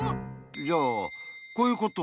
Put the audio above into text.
じゃあこういうこと？